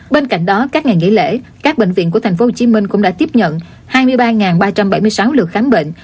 bên cạnh đó các ngày nghỉ lễ các bệnh viện của tp hcm cũng đã tiếp nhận hai mươi ba ba trăm bảy mươi sáu lượt khám bệnh